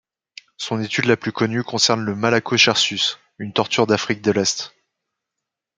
Son étude la plus connue concerne le Malacochersus, une tortue d'Afrique de l'Est.